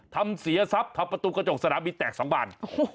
เสียทรัพย์ทำประตูกระจกสนามบินแตก๒บาน